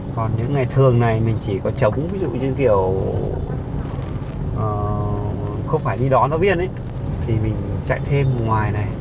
còn những ngày thường này mình chỉ có chống ví dụ như kiểu không phải đi đón giáo viên ấy thì mình chạy thêm ngoài này